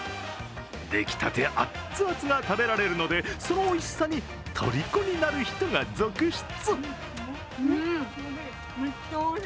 出来たてあっつあつが食べられるのでそのおいしさにとりこになる人が続出。